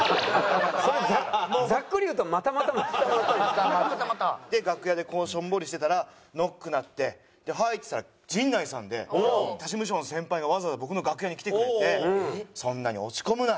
それザックリ言うと股股股股？で楽屋でしょんぼりしてたらノック鳴って「はーい」っつったら陣内さんで他事務所の先輩がわざわざ僕の楽屋に来てくれて「そんなに落ち込むな」。